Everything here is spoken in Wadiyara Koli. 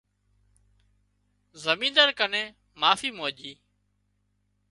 زمينۮار ڪنين معافي مانڄي